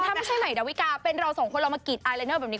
ถ้าไม่ใช่ใหม่ดาวิกาเป็นเราสองคนเรามากรีดไอลายเนอร์แบบนี้